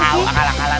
kalah kalah kalah